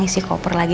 isi koper lagi